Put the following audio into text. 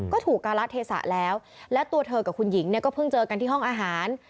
ก็ถูกการละเทศะแล้วและตัวเธอกับคุณหญิงเนี่ยก็เพิ่งเจอกันที่ห้องอาหาร